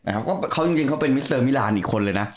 แหละครับก็เขาจริงจริงเขาเป็นมิสเซอร์มีลันด์อีกคนเลยน่ะใช่